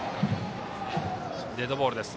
デッドボールです。